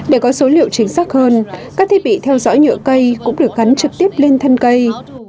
để có số liệu chính xác hơn các thiết bị theo dõi nhựa cây cũng được gắn trực tiếp lên thân cây